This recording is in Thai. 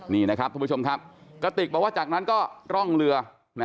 นี่นะครับทุกผู้ชมครับกระติกบอกว่าจากนั้นก็ร่องเรือ